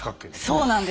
そうなんです。